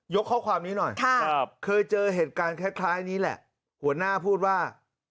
ข้อความนี้หน่อยเคยเจอเหตุการณ์คล้ายนี้แหละหัวหน้าพูดว่า